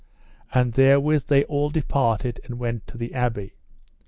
And therewith they all departed and went to the abbey.